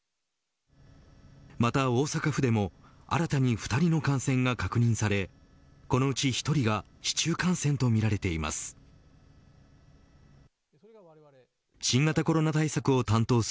また、大阪府でも新たに２人の感染が確認されこのうち１人が市中感染とみられています。